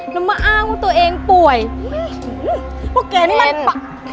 แล้วมาอ้างว่าตัวเองป่วยเพราะก๋อยังไม่ปัด